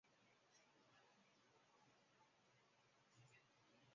撤销铁路分局建制。